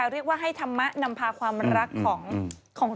เรียกว่าให้ธรรมะนำพาความรักของ